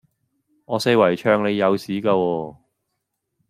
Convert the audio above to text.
我四圍唱你有屎架喎